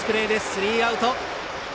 スリーアウト。